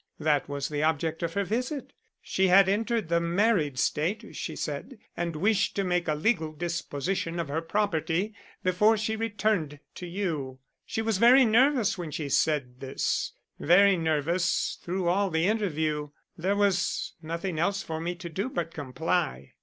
That was the object of her visit. She had entered the married state, she said, and wished to make a legal disposition of her property before she returned to you. She was very nervous when she said this; very nervous through all the interview. There was nothing else for me to do but comply."